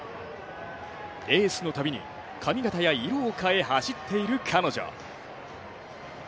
レースの度に髪形や色を変え走っている彼女。